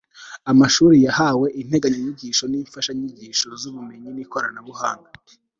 amashuri yahawe integanyanyigisho n'imfashanyigisho z'ubumenyi n'ikoranabuhanga